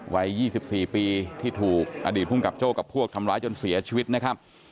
วัย๒๔ปีที่ถูกอดีตภูมิกับโจ้กับพวกทำร้ายจนเสียชีวิตนะครับ